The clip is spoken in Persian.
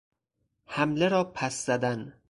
حمله را پس زدن